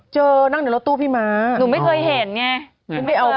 สวัสดีค่ะข้าวใส่ไข่สดใหม่เยอะสวัสดีค่ะ